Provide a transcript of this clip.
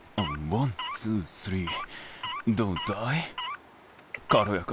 ワンツースリー。